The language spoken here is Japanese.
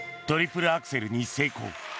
トリプルアクセルに成功。